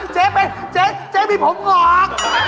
เจ๊เป็นเจ๊เจ๊มีผมหนอก